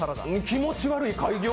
気持ち悪い改行。